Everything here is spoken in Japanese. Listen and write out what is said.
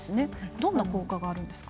どんな効果があるんですか。